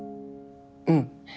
うん。